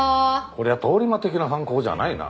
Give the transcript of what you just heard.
こりゃ通り魔的な犯行じゃないな。